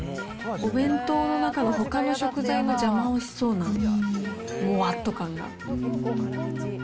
お弁当の中のほかの食材の邪魔をしそうなもわっと感が。